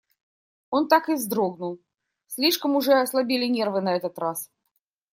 Он так и вздрогнул, слишком уже ослабели нервы на этот раз.